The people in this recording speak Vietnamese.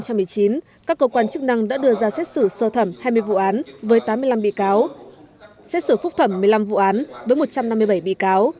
các cơ quan chức năng đã đưa ra xét xử sơ thẩm hai mươi vụ án với tám mươi năm bị cáo xét xử phúc thẩm một mươi năm vụ án với một trăm năm mươi bảy bị cáo